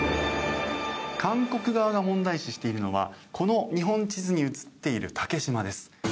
韓国側が問題視しているのはこの日本地図に写っている竹島です。